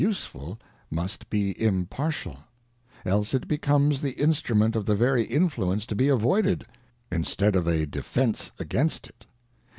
ŌĆö But that jealousy, to be useful must be impartial ; else it becomes the in strument of the very influence to be avoided, instead of a defence against it.